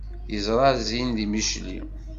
Yeẓra zzin di Micli.